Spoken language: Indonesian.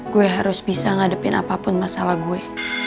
gue harus bisa ngadepin apapun masalah gue